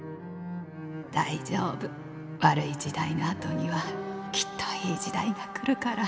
「大丈夫悪い時代の後にはきっといい時代が来るから」。